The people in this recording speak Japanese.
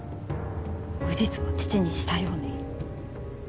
無実の父にしたように。